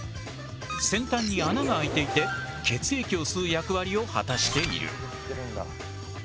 先端に穴が開いていて血液を吸う役割を果たしている。